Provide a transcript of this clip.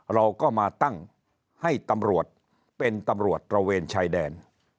เราก็มาตั้งให้ตำรวจเป็นตำรวจตระเวนชายแดน